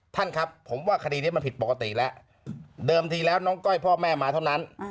ท่านครับผมว่าคดีนี้มันผิดปกติแล้วเดิมทีแล้วน้องก้อยพ่อแม่มาเท่านั้น